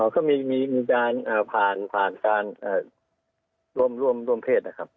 ก็มีการผ่านผ่านการร่วมเพศนะครับ